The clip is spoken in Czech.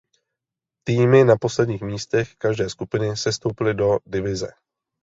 Týmy na posledních místech každé skupiny sestoupily do divize.